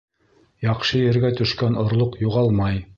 Яҡшы ергә төшкән орлоҡ юғалмай.